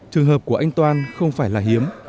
trường hợp của anh toan không phải là hiếm